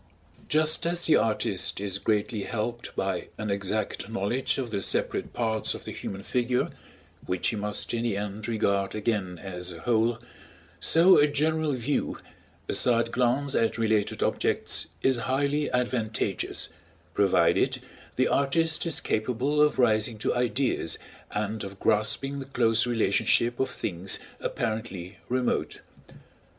Just as the artist is greatly helped by an exact knowledge of the separate parts of the human figure, which he must in the end regard again as a whole, so a general view, a side glance at related objects, is highly advantageous, provided the artist is capable of rising to Ideas and of grasping the close relationship of things apparently remote.